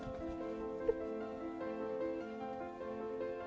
ya sudah ya sudah